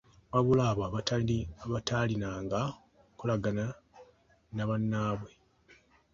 Wabula abo abataalinanga nkolagana na bannaabwe.